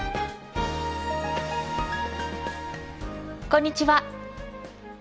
こんにちは。